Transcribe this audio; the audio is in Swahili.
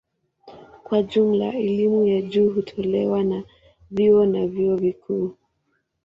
Kwa jumla elimu ya juu hutolewa na vyuo na vyuo vikuu.